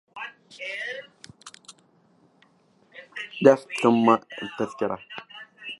دفع توم ثمن التذاكر.